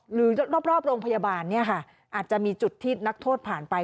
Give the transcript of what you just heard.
หรือรอบโรงพยาบาลเนี่ยค่ะอาจจะมีจุดที่นักโทษผ่านไป